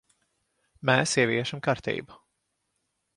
Mēs ieviešam kārtību.